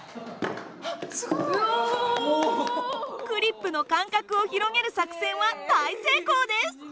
クリップの間隔を広げる作戦は大成功です！